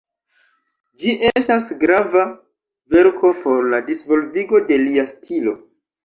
Ĝi estas grava verko por la disvolvigo de lia stilo.